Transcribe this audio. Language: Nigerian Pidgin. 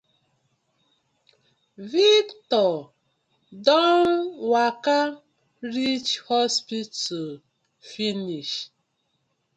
Victor don waka reach hospital finish.